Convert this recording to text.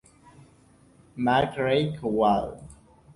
McGraw Hill